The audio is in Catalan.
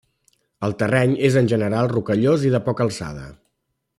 El terreny és en general, rocallós i de poca alçada.